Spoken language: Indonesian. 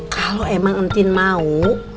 kalau emang entin mau